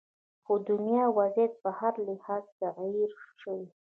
خو د دنیا وضعیت په هر لحاظ تغیر شوې